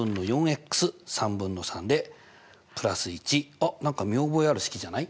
あっ何か見覚えある式じゃない？